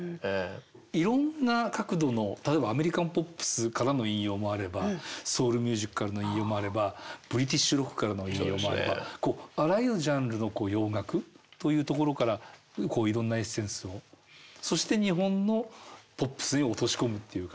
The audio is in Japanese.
いろんな角度の例えばアメリカンポップスからの引用もあればソウルミュージックからの引用もあればブリティッシュロックからの引用もあればあらゆるジャンルの洋楽というところからいろんなエッセンスをそして日本のポップスへ落とし込むっていうか